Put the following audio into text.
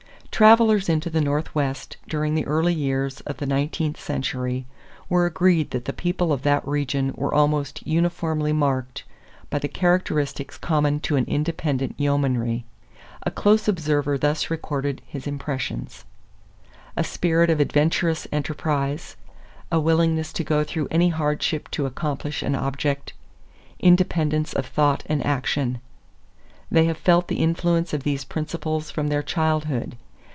= Travelers into the Northwest during the early years of the nineteenth century were agreed that the people of that region were almost uniformly marked by the characteristics common to an independent yeomanry. A close observer thus recorded his impressions: "A spirit of adventurous enterprise, a willingness to go through any hardship to accomplish an object.... Independence of thought and action. They have felt the influence of these principles from their childhood.